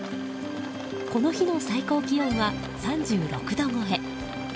この日の最高気温は３６度超え。